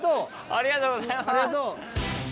ありがとうございます。